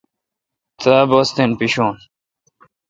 تا باستھین پیشو۔